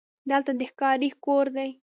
دلته د ښکاري کور دی: